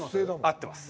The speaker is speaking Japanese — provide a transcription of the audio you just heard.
合ってます。